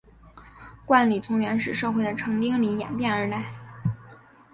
冠礼从原始社会的成丁礼演变而来。